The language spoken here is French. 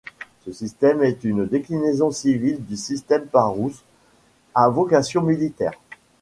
Ce système est une déclinaison civile du système Parous, à vocation militaire.